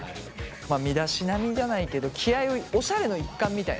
身だしなみじゃないけど気合いおしゃれの一環みたいな感覚で。